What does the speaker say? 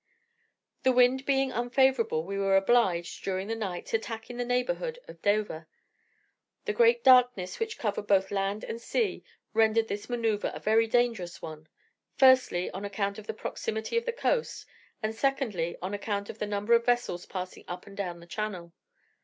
The wind being unfavourable, we were obliged, during the night, to tack in the neighbourhood of Dover. The great darkness which covered both land and sea rendered this maneuvre a very dangerous one; firstly, on account of the proximity of the coast; and, secondly, on account of the number of vessels passing up and down the channel.